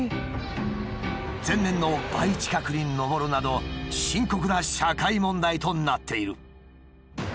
前年の倍近くに上るなど深刻な社会問題となっている。